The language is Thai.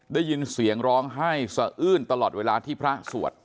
ได้ยินเสียงร้องไห้สะอื้นตลอดเวลาที่พระสวด